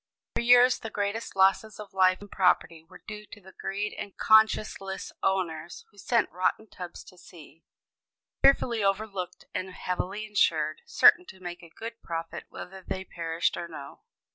For years the greatest losses of life and property were due to the greed of conscienceless owners, who sent rotten tubs to sea, fearfully overloaded and heavily insured, certain to make a good profit whether they perished or no.